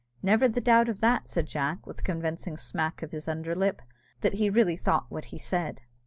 "Never the doubt of that," said Jack, with a convincing smack of his under lip, that he really thought what he said.